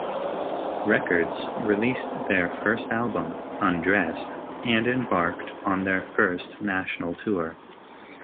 Records, released their first album, "Undressed", and embarked on their first national tour.